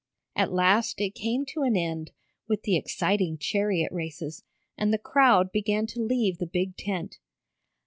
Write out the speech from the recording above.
At last it came to an end with the exciting chariot races, and the crowd began to leave the big tent.